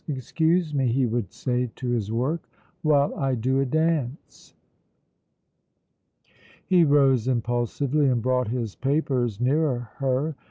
Excuse me," he would say to his work, "while I do a dance." He rose impulsively and brought his papers nearer her.